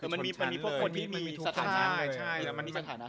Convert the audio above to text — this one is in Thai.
มันมีพวกคนที่มีสถานะ